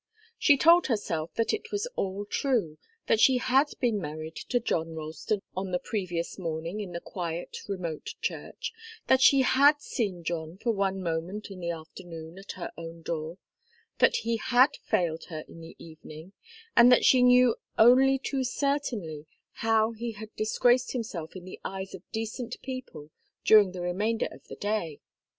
She told herself that it was all true; that she had been married to John Ralston on the previous morning in the quiet, remote church, that she had seen John for one moment in the afternoon, at her own door, that he had failed her in the evening, and that she knew only too certainly how he had disgraced himself in the eyes of decent people during the remainder of the day.